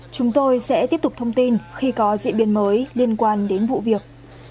chúng tôi sẽ tiếp tục thông tin khi có diễn biến mới liên quan đến vụ việc